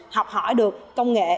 học hỏi được công nghệ